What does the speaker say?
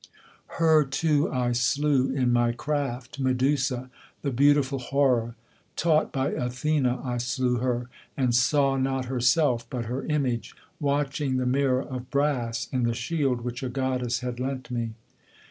Her too I slew in my craft, Medusa, the beautiful horror; Taught by Athene I slew her, and saw not herself, but her image, Watching the mirror of brass, in the shield which a goddess had lent me.